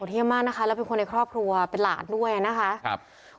เยี่ยมมากนะคะแล้วเป็นคนในครอบครัวเป็นหลานด้วยนะคะครับ